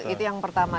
itu yang pertama